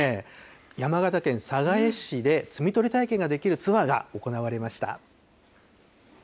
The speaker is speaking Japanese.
山形県寒河江市で、摘み取り体験ができるツアーが行われました。